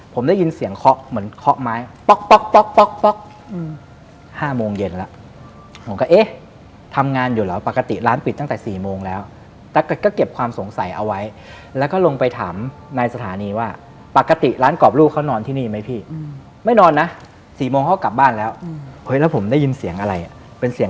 ผมได้ยินเสียงเคาะเหมือนเคาะไม้